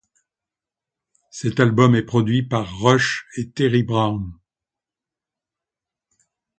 Cet album est produit par Rush et Terry Brown.